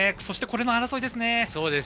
そして、最後の争いですね。